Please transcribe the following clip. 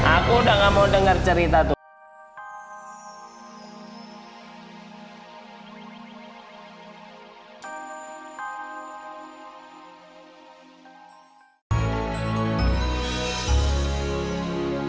aku udah gak mau denger cerita tuan